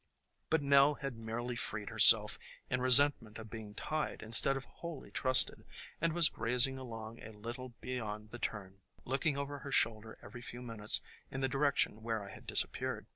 But Nell had merely freed herself, in resentment at being tied instead of wholly trusted, and was grazing along a little beyond the turn, looking over her shoulder every few minutes in the direction where I had disappeared.